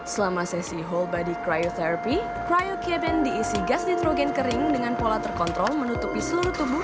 selama sesi whole body cryotherapy cryocabin diisi gas nitrogen kering dengan pola terkontrol menutupi seluruh tubuh